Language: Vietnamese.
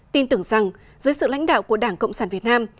tin tưởng rằng dưới sự lãnh đạo của đảng cộng sản việt nam